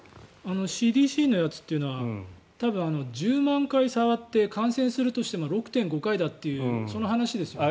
ＣＤＣのやつってのは多分、１０万回触って感染するとしても６．５回だという話ですよね。